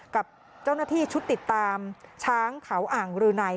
กับเจ้าหน้าที่ชุดติดตามช้างเขาอ่างรืนัย